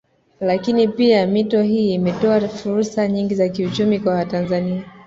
Lakini pia mito hii imetoa fursa nyingi za kiuchumi kwa watanzania